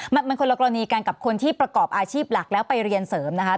มันคนละกรณีกันกับคนที่ประกอบอาชีพหลักแล้วไปเรียนเสริมนะคะ